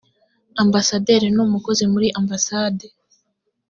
ambasaderi ni umukozi muri ambasade